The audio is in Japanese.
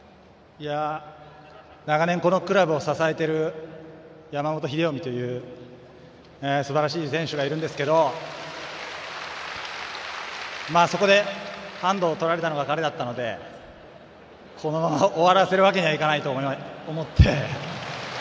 長年このクラブを支えている山本英臣というすばらしい選手がいるんですけどそこで、ハンドをとられたのが彼だったのでこのまま終わらせるわけにはいかないと思って。